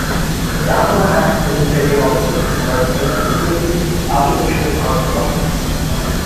The camera has many setting options, but, unfortunately, saturation is not one of them.